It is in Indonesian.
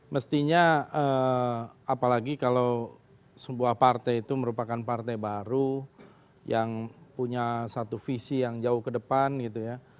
mestinya apalagi kalau sebuah partai itu merupakan partai baru yang punya satu visi yang jauh ke depan gitu ya